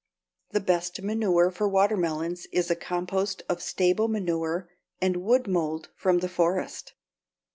The best manure for watermelons is a compost of stable manure and wood mold from the forest.